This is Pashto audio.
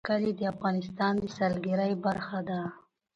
کلي د افغانستان د سیلګرۍ برخه ده.